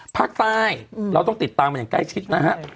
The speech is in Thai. ภาคใต้เราต้องติดตามกันอย่างใกล้ชิดนะฮะ